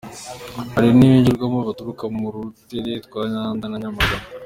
Hari n’abaryigiramo baturuka mu turere twa Nyanza na Nyamagabe.